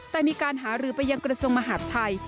แต่มีการหารือไปยังกระทรวงมหาดไทย